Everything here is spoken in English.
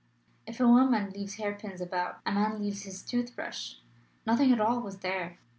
If a woman leaves hairpins about, a man leaves his toothbrush: nothing at all was there.